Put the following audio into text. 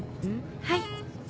はい。